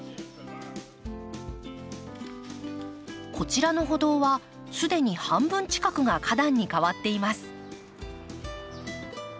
こちらの歩道は既に半分近くが花壇に替わっています。